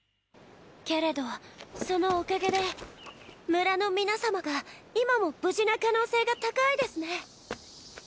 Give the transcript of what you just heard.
けれどソノおかげで村の皆様が今も無事な可能性が高いデスネ。